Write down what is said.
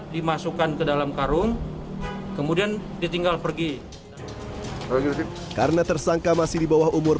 dimasukkan ke dalam karung kemudian ditinggal pergi karena tersangka masih di bawah umur